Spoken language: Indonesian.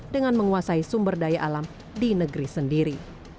dengan menguasai sumber daya alam di negeri sendiri